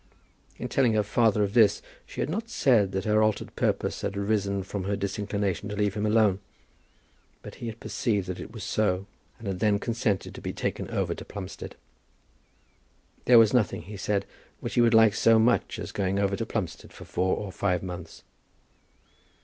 In telling her father of this she had not said that her altered purpose had arisen from her disinclination to leave him alone; but he had perceived that it was so, and had then consented to be taken over to Plumstead. There was nothing, he said, which he would like so much as going over to Plumstead for four or five months.